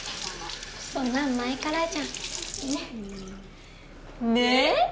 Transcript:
そんなん前からじゃんねっで？